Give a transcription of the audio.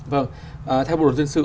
vâng theo bộ luật dân sự